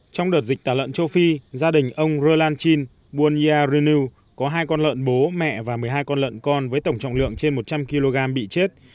trong đợt dịch tả lợn châu phi gia đình ông rolanchin buônya renu có hai con lợn bố mẹ và một mươi hai con lợn con với tổng trọng lượng trên một trăm linh kg bị chết